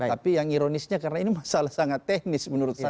tapi yang ironisnya karena ini masalah sangat teknis menurut saya